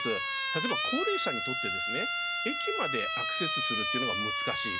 例えば高齢者にとって駅までアクセスするというのが難しい。